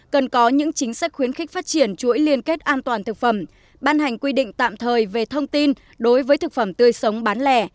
cần có những chính sách khuyến khích phát triển chuỗi liên kết an toàn thực phẩm ban hành quy định tạm thời về thông tin đối với thực phẩm tươi sống bán lẻ